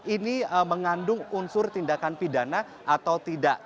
ini mengandung unsur tindakan pidana atau tidak